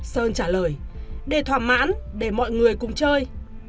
sơn trả lời để thỏa mãn để mọi người cùng chơi